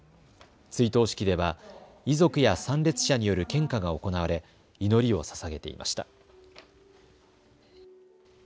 追悼式では遺族や参列者による献花が行われ祈りをささげていました。